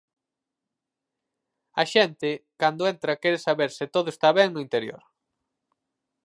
A xente cando entra quere saber se todo está ben no interior.